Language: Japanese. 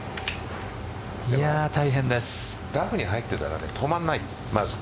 ラフに入ってたら止まらない、まず。